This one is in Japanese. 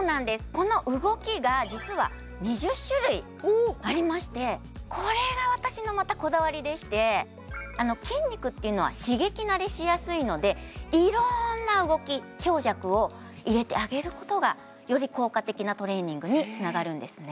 この動きが実は２０種類ありましてこれが私のまたこだわりでして筋肉っていうのは刺激慣れしやすいので色んな動き強弱を入れてあげることがより効果的なトレーニングにつながるんですね